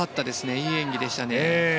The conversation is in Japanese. いい演技でした。